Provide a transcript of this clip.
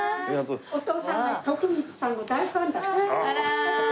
お父さんね徳光さんの大ファンだったの。